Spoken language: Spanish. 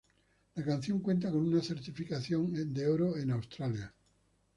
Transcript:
La canción cuenta con una certificación de Oro en Australia.